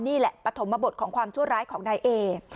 นี่แหละปฐมบทของความชั่วร้ายของนายเอ